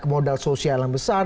modal sosial yang besar